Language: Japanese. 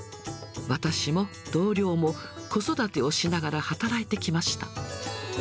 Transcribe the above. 私も同僚も子育てをしながら、働いてきました。